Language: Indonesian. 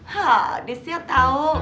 hah desya tau